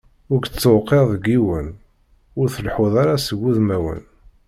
Ur k-d-tewqiɛ deg yiwen, ur tleḥḥuḍ ara s wudmawen.